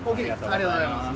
ありがとうございます。